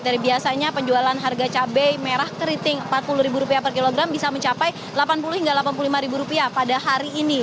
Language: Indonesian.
dari biasanya penjualan harga cabai merah keriting rp empat puluh per kilogram bisa mencapai rp delapan puluh hingga rp delapan puluh lima pada hari ini